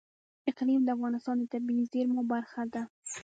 اقلیم د افغانستان د طبیعي زیرمو برخه ده.